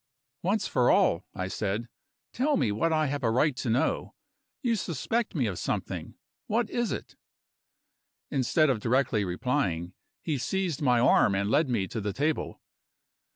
"Once for all," I said, "tell me what I have a right to know. You suspect me of something. What is it?" Instead of directly replying, he seized my arm and led me to the table.